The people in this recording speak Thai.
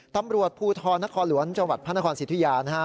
ตำรวจภูทรนครหลวงจังหวัดพระนครสิทธิยานะฮะ